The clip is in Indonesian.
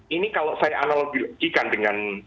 ini kalau saya analogikan dengan